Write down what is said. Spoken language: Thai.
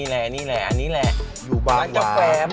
ร้านจะแฟร์บ้าวะ